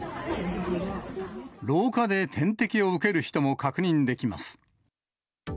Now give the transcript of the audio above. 廊下で点滴を受ける人も確認できます。